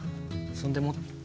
そんでもって。